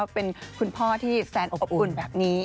เป็นคุณพ่อที่แสนอบอุ่นแบบนี้